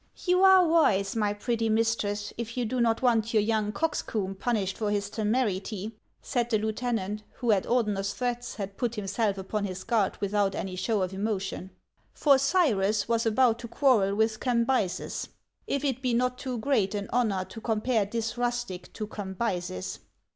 " You are wise, my pretty mistress, if you do not want your young coxcomb punished for his temerity," said the lieutenant, who at Ordener's threats had put himself upon his guard without any show of emotion ;" for Cyrus was about to quarrel with Cambyses, — if it be not too great an honor to compare this rustic to Cambyses."